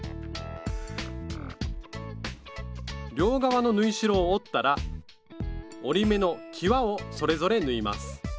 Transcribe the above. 両側の縫い代を折ったら折り目のきわをそれぞれ縫います。